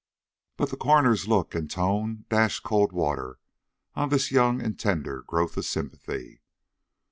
But the coroner's look and tone dashed cold water on this young and tender growth of sympathy.